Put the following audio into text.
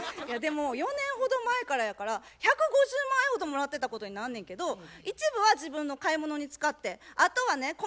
でも４年ほど前からやから１５０万円ほどもらってたことになんねやけど一部は自分の買い物に使ってあとはね